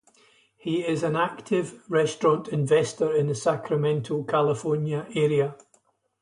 He is an active restaurant investor in the Sacramento, California area.